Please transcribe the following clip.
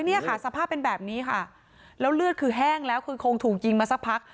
เนี่ยค่ะสภาพเป็นแบบนี้ค่ะแล้วเลือดคือแห้งแล้วคือคงถูกยิงมาสักพัก